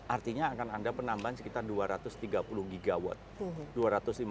artinya akan ada penambahan sekitar dua ratus tiga puluh gigawatt